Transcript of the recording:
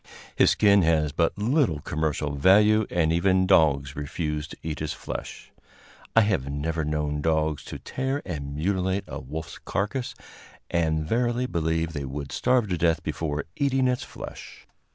His skin has but little commercial value, and even dogs refuse to eat his flesh. I have never known dogs to tear and mutilate a wolf's carcass, and verily believe they would starve to death before eating its flesh.